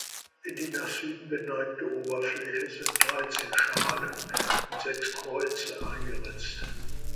In die nach Süden geneigte Oberfläche sind dreizehn Schalen und sechs Kreuze eingeritzt.